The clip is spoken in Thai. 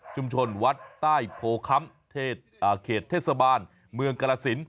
ชุมชนวัดใต้โภคัมเขตเทศบาลเมืองกรสิน